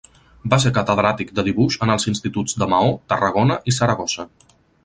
Va ser catedràtic de dibuix en els instituts de Maó, Tarragona i Saragossa.